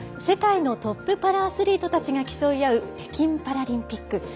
世界のトップパラアスリートたちが競い合う北京パラリンピック